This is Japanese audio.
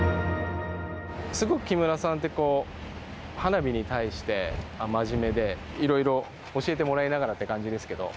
すごく木村さんってこう、花火に対して真面目で、いろいろ教えてもらいながらって感じですけど。